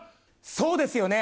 そうですよね。